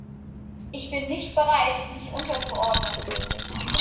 Ich bin nicht bereit, mich unterzuordnen.